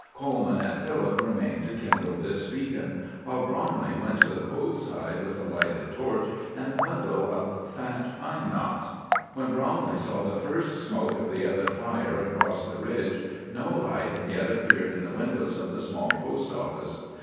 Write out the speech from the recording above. Coleman and Philip remained to kindle this beacon, while Bromley went to the Cove side with a lighted torch and a bundle of fat pine knots. When Bromley saw the first smoke of the other fire across the ridge, no light had yet appeared in the windows of the small post office.